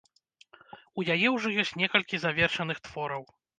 У яе ўжо ёсць некалькі завершаных твораў.